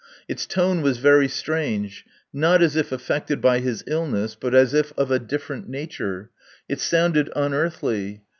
Its tone was very strange, not as if affected by his illness, but as if of a different nature. It sounded unearthly.